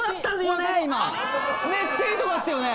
めっちゃいいとこだったよね